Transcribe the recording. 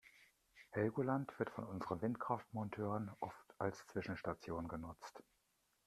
Helgoland wird von unseren Windkraftmonteuren oft als Zwischenstation genutzt.